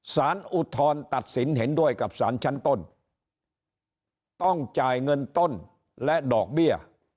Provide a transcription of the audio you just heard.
อุทธรณ์ตัดสินเห็นด้วยกับสารชั้นต้นต้องจ่ายเงินต้นและดอกเบี้ย